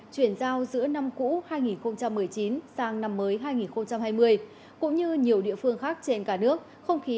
chuyển giao giữa năm cũ hai nghìn một mươi chín sang năm mới hai nghìn hai mươi cũng như nhiều địa phương khác trên cả nước không khí